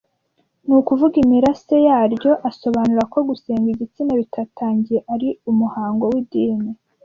ni ukuvuga imirase yaryo Asobanura ko gusenga igitsina bitatangiye ari umuhango w’idini